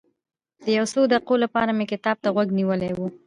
د یو څو دقیقو لپاره مې کتاب ته غوږ نیولی و.